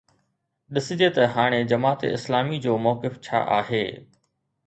ڏسجي ته هاڻي جماعت اسلامي جو موقف ڇا آهي.